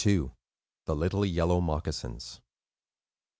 THE LITTLE YELLOW MOCCASINS.